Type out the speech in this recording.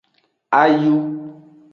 Ayu.